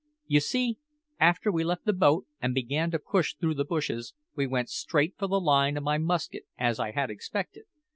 "You see, after we left the boat an' began to push through the bushes, we went straight for the line of my musket, as I had expected.